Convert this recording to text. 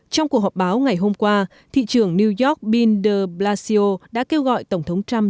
trong cuộc họp báo ngày hôm qua thị trường new york binder blasio đã kêu gọi tổng thống trump